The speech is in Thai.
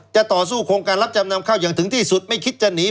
ต่อสู้โครงการรับจำนำเข้าอย่างถึงที่สุดไม่คิดจะหนี